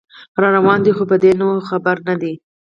راروان دی خو په دې نو خبر نه دی